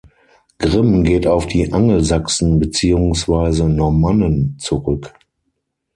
Grim geht auf die Angelsachsen beziehungsweise Normannen zurück.